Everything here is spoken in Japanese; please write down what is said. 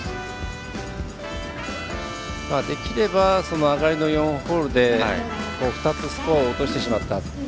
できれば上がりの４ホールで２つスコアを落としてしまった。